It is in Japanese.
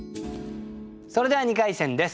それでは２回戦です。